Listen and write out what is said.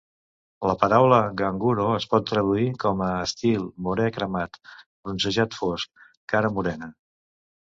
La paraula "ganguro" es pot traduir com a "estil morè-cremat", "bronzejat fosc", "cara morena".